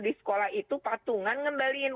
di sekolah itu patungan ngembaliin